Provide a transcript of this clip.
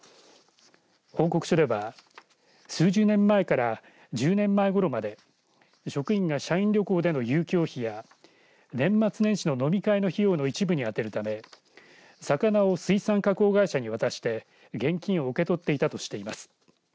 報告書では、数十年前から１０年前ごろまで職員が社員旅行での遊興費や年末年始の飲み会の費用の一部にあてるため魚を水産加工会社に渡して現金を受け取っていたとしています。